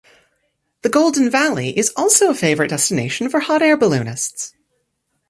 The Golden Valley is also a favorite destination for hot air balloonists.